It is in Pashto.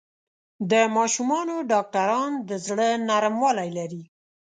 د ماشومانو ډاکټران د زړۀ نرموالی لري.